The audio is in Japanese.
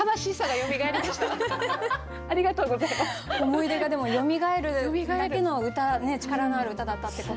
思い出がでもよみがえるだけの歌力のある歌だったってことかな。